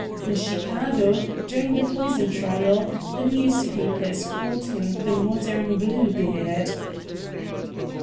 In Chicago, during the poison trial, the newspapers called him 'the Modern Bluebeard."'